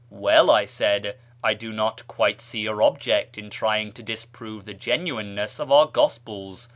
" Well," I said, " I do not quite see your object in trying to disprove the genuineness of our gospels.